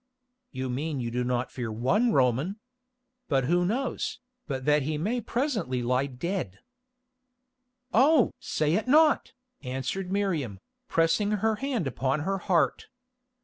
"You mean you do not fear one Roman. But who knows, but that he may presently lie dead——" "Oh! say it not," answered Miriam, pressing her hand upon her heart.